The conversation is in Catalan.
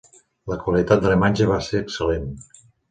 La qualitat de la imatge va ser excel·lent.